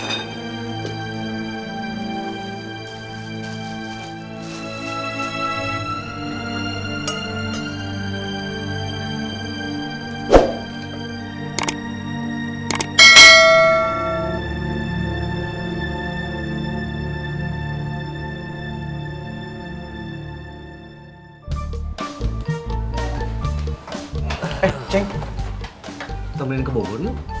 eh cenk kita beliin ke bogor ya